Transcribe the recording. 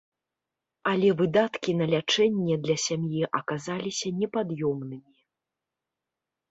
Але выдаткі на лячэнне для сям'і аказаліся непад'ёмнымі.